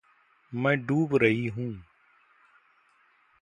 मैं डूब रही हूँ!